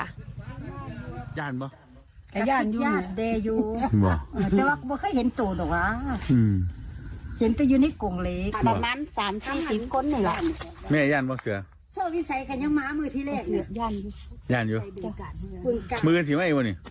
อะไรนะ